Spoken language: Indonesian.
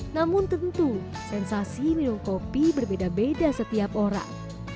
namun tentu sensasi minum kopi berbeda beda setiap orang